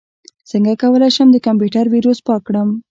څنګه کولی شم د کمپیوټر ویروس پاک کړم